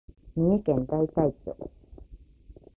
三重県大台町